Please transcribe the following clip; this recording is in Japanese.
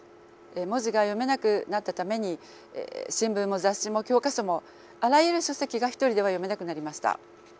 文字が読めなくなったために新聞も雑誌も教科書もあらゆる書籍が一人では読めなくなりました。